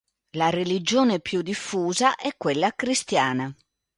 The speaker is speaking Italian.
La religione più diffusa è quella cristiana.